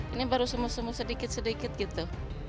ini baru semu semu sedikit sedikit gitu